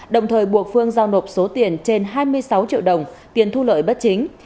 đồng thời buộc phương giao nộp số tiền trên hai mươi sáu triệu đồng tiền thu lợi bất chính